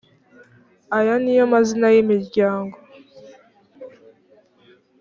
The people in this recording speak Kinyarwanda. aya ni yo mazina y’ imiryango.